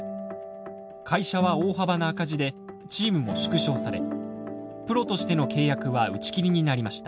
会社は大幅な赤字でチームも縮小されプロとしての契約は打ち切りになりました。